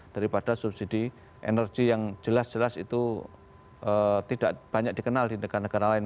daripada subsidi energi yang jelas jelas itu tidak banyak dikenal di negara negara lain